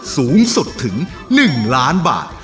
สูงสุดถึง๑ล้านบาท